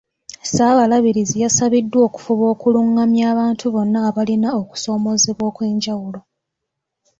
Ssaabalabirizi yasabiddwa okufuba okuluŋŋamya abantu bonna abalina okusoomoozebwa okw'enjawulo.